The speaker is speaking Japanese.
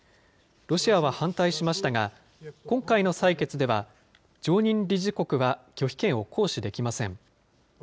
ロシアは反対しましたが、今回の採決では、常任理事国は拒否権を行使できません。